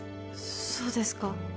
そうですか？